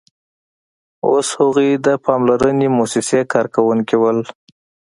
اوس هغوی د پاملرنې موسسې کارکوونکي وو